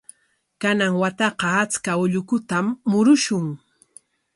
Kanan wataqa achka ullukutam murushun.